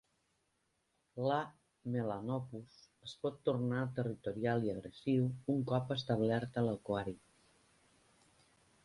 L'"A. melanopus" es pot tornar territorial i agressiu un cop establert a l'aquari.